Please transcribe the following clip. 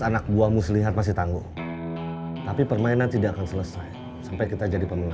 anak buah muslihat masih tangguh tapi permainan tidak akan selesai sampai kita jadi